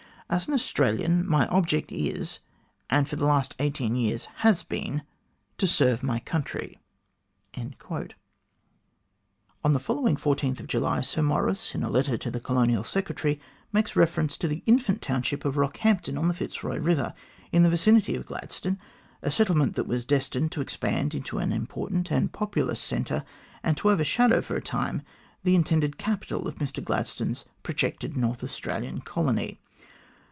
As an Australian, my object is, and for the last eighteen years has been, to serve my country." On the following July 14, Sir Maurice, in a letter to the Colonial Secretary, makes reference to the infant township of Eockhampton on the Fitzroy Eiver, in the vicinity of Gladstone, a settlement that was destined to expand into an important and populous centre, and to overshadow for a time the intended capital of Mr Gladstone's projected North Australian colony.